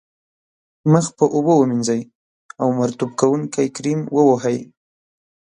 مخ په اوبو ومینځئ او مرطوب کوونکی کریم و وهئ.